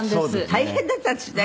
大変だったんですって？